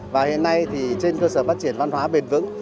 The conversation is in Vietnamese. và hiện nay thì trên cơ sở phát triển văn hóa bền vững